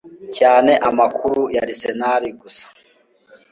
cyane Amakuru ya Arsenal gusa